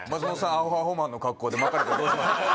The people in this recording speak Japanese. アホアホマンの格好で撒かれたらどうします？